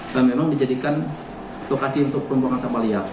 dan memang dijadikan lokasi untuk pembuangan sampah liar